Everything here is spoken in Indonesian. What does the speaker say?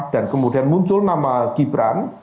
dan kemudian muncul nama gibran